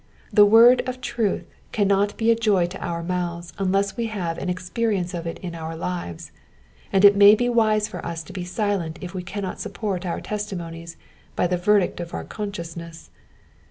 The word of truth cannot be a joy to our mouths unless we have an experience of it in our lives, and it may be wise for us to be silent if we cannot support our testimonies by the verdict of our consciousness.